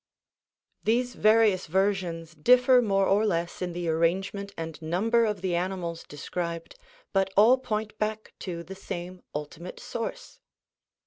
These various versions differ more or less in the arrangement and number of the animals described, but all point back to the same ultimate source.